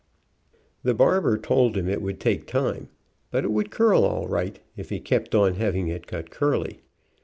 The barber told him it would take time but it would curl all right if he kept on having it cut curly.